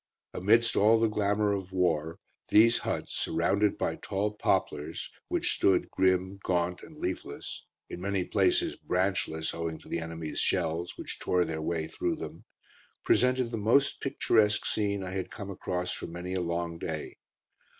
Amidst all the glamour of war, these huts, surrounded by tall poplars, which stood grim, gaunt and leafless in many places branchless, owing to the enemies' shells, which tore their way through them presented the most picturesque scene I had come across for many a long day.